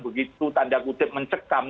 begitu tanda kutip mencekam